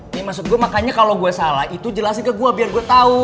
ini maksud gue makanya kalau gue salah itu jelasin ke gue biar gue tau